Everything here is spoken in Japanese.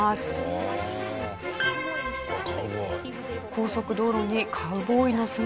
高速道路にカウボーイの姿が。